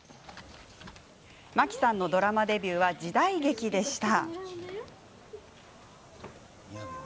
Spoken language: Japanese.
真木さんのドラマデビューは時代劇でした。